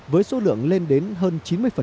với số lượng lên đến hơn chín mươi